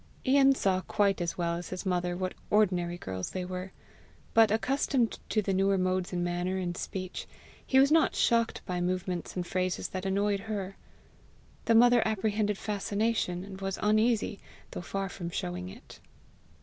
Ian saw quite as well as his mother what ordinary girls they were, but, accustomed to the newer modes in manner and speech, he was not shocked by movements and phrases that annoyed her. The mother apprehended fascination, and was uneasy, though far from showing it.